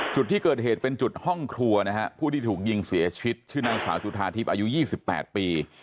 จุดที่เกิดเหตุเป็นจุดห้องครัวนะฮะผู้ที่ถูกยิงเสียชีวิตชื่อนางสาวจุธาทิพย์อายุ๒๘ปี